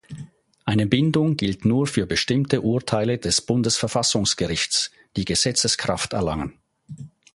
Eine Bindung gilt nur für bestimmte Urteile des Bundesverfassungsgerichts, die Gesetzeskraft erlangen.